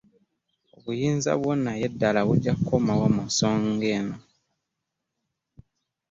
Obuyinza bwo naye ddala bjkoma wa mu nsonga eno?